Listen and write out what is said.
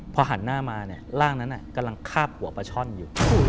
พอหันหน้ามาร่างนั้นกำลังข้าบหัวปะช่อนอยู่